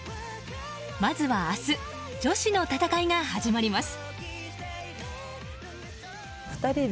まずは明日女子の戦いが始まります。